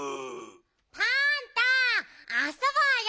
パンタあそぼうよ。